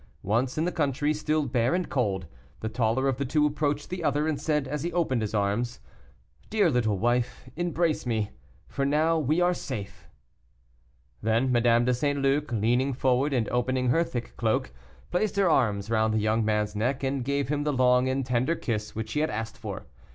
Once in the country, still bare and cold, the taller of the two approached the other, and said, as he opened his arms: "Dear little wife, embrace me, for now we are safe." Then Madame de St. Luc, leaning forward and opening her thick cloak, placed her arms round the young man's neck and gave him the long and tender kiss which he had asked for.